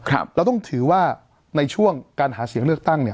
เราต้องถือว่าในช่วงการหาเสียงเลือกตั้งเนี่ย